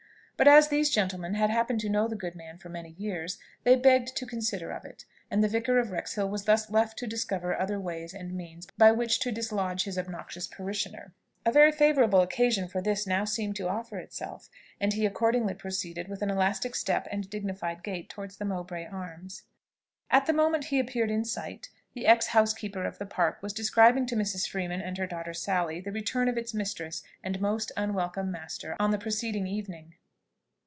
But as these gentlemen had happened to know the good man for many years, they begged to consider of it; and the Vicar of Wrexhill was thus left to discover other ways and means by which to dislodge his obnoxious parishioner. A very favourable occasion for this now seemed to offer itself, and he accordingly proceeded with an elastic step and dignified gait towards the Mowbray Arms. At the moment he appeared in sight, the ex housekeeper of the Park was describing to Mrs. Freeman and her daughter Sally the return of its mistress and most unwelcome master on the preceding evening.